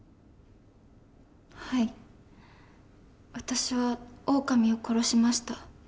はい私はオオカミを殺しました。